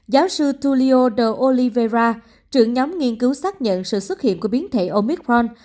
giáo sư tulio de olivera trưởng nhóm nghiên cứu xác nhận sự xuất hiện của biến thể omicron